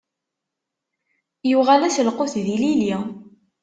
Yuɣal-as lqut d ilili.